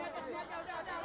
udah udah udah sini aja